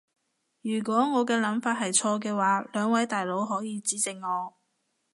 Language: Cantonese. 如果我嘅諗法係錯嘅話，兩位大佬可以指正我